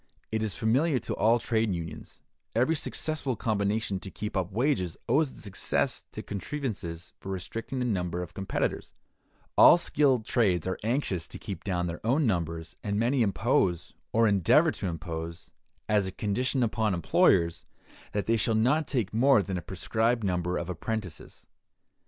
It is familiar to all trades unions: every successful combination to keep up wages owes its success to contrivances for restricting the number of competitors; all skilled trades are anxious to keep down their own numbers, and many impose, or endeavor to impose, as a condition upon employers, that they shall not take more than a prescribed number of apprentices.